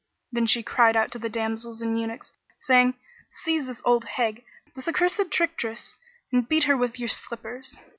Then she cried out to the damsels and eunuchs, saying, "Seize this old hag, this accursed trickstress and beat her with your slippers!"